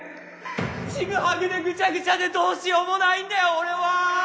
ちぐはぐでぐちゃぐちゃでどうしようもないんだよ俺は！